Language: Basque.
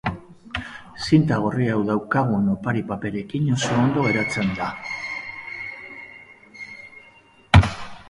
Zinta gorri hau daukagun opari-paperarekin oso ondo geratzen da.